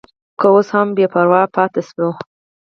که اوس هم بې پروا پاتې شو.